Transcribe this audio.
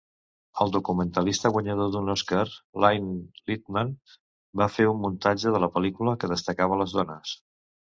El documentalista guanyador d'un Òscar Lynne Littman va fer un muntatge de la pel·lícula que destacava les dones.